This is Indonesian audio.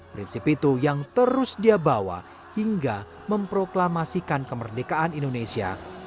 prinsip itu yang terus dia bawa hingga memproklamasikan kemerdekaan indonesia